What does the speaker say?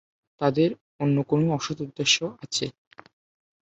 তাদের অন্য কোনো অসৎ উদ্দেশ্য আছে।